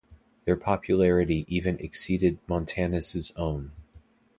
Their popularity even exceeded Montanus' own.